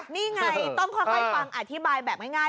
นี่ไงต้องค่อยฟังอธิบายแบบง่าย